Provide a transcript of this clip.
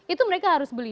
itu mereka harus beli